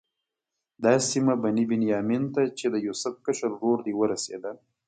دا سیمه بني بنیامین ته چې د یوسف کشر ورور دی ورسېده.